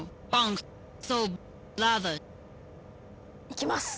いきます！